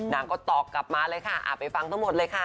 นางก็ตอบกลับมาเลยค่ะไปฟังทั้งหมดเลยค่ะ